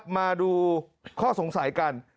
มาดูข้อสงสัยกัน